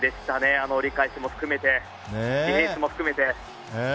あの折り返しも含めてディフェンスも含めて。